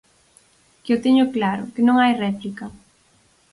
Que o teño claro, que non hai réplica.